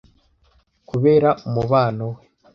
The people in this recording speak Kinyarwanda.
Kubera umubano we.